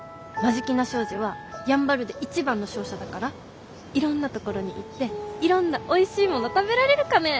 眞境名商事はやんばるで一番の商社だからいろんな所に行っていろんなおいしいもの食べられるかね。